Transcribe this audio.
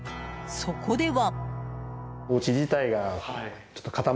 そこでは。